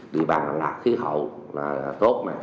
địa bàn đà lạt khí hậu là tốt